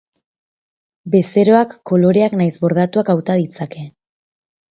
Bezeroak koloreak nahiz bordatuak hauta ditzake.